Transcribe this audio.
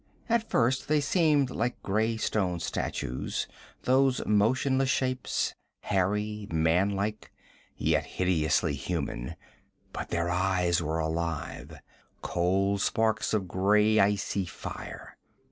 At first they seemed like gray stone statues, those motionless shapes, hairy, man like, yet hideously human; but their eyes were alive, cold sparks of gray icy fire.